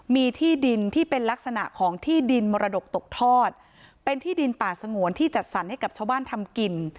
มีที่ดินที่เป็นลักษณะของที่ดินมรดกตกทอดเป็นที่ดินป่าสงวนที่จัดสรรให้กับชาวบ้านทำกิน